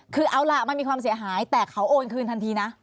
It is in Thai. คือเอาล่ะมันมีความเสียหายแต่เขาโอนคืนทันทีนะ